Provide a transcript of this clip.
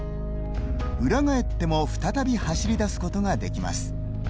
裏返っても、再び走り出すことができます。